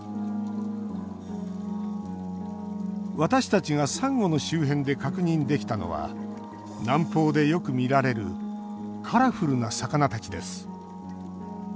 私たちがサンゴの周辺で確認できたのは南方でよく見られるカラフルな魚たちです。